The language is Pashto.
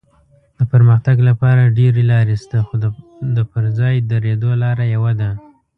د پرمختګ لپاره ډېرې لارې شته خو د پر ځای درېدو لاره یوه ده.